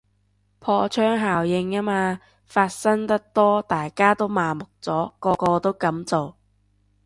破窗效應吖嘛，發生得多大家都麻木咗，個個都噉做